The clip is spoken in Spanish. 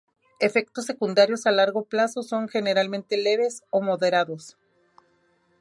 Efectos secundarios a largo plazo son generalmente leves o moderados.